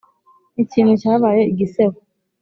ikintu cyabaye igisebo!